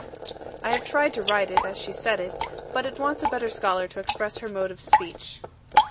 I have tried to write it, as she said it: but it wants a better scholar to express her mode of speech.